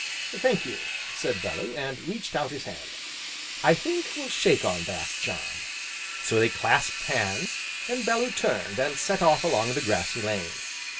"Thank you!" said Bellew, and reached out his hand, "I think we'll shake on that, John!" So they clasped hands, and Bellew turned, and set off along the grassy lane.